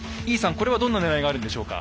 これはどんなねらいがあるんでしょうか？